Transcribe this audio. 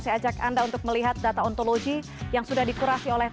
saya ajak anda untuk melihat data ontologi yang sudah dikurasi oleh